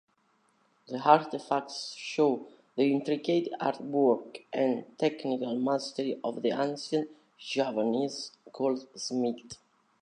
The artefacts show the intricate artwork and technical mastery of the ancient Javanese goldsmith.